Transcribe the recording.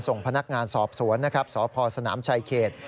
ส่งพนักงานสอบสวนสศนชายเขต